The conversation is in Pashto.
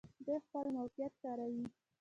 دوی خپل موقعیت کاروي.